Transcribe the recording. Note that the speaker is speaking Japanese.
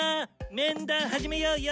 面談始めようよ！